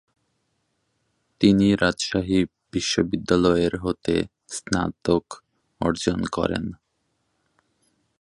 তিনি রাজশাহী বিশ্ববিদ্যালয়ের হতে স্নাতক অর্জন করেন।